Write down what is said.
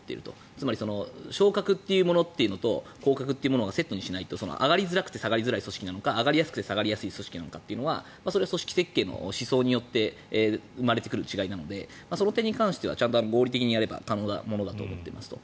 つまり昇格というものというのと降格というものをセットにしないと上がりづらくて下がりづらい組織なのか上がりやすくて下がりやすい組織なのかというのはそれは組織決定の思想によって生まれてくる違いなのでその点に関してはちゃんと合理的にやれば可能なものだと思っていますと。